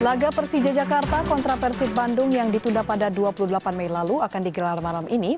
laga persija jakarta kontra persib bandung yang ditunda pada dua puluh delapan mei lalu akan digelar malam ini